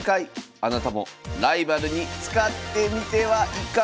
あなたもライバルに使ってみてはいかが？